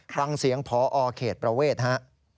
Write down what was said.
ฟังเสียงพอเขตประเวทฮะ